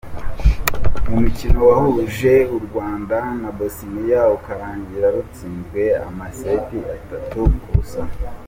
Mu mukino wahuje u Rwanda na Bosnia ukarangira rutsinzwe amaseti atatu ku busa.